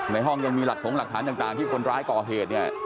ห้องยังมีหลักถงหลักฐานต่างที่คนร้ายก่อเหตุเนี่ย